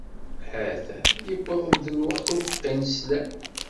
Ata yewweḍ lweqt ubeqqi n sslam.